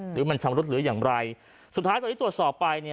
หรือมันชำรุดหรืออย่างไรสุดท้ายตอนนี้ตรวจสอบไปเนี่ย